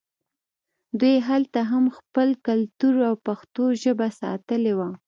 دوی هلته هم خپل کلتور او پښتو ژبه ساتلې وه